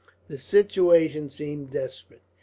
The situation seemed desperate.